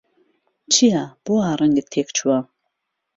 چییە، بۆ وا ڕەنگت تێکچووە؟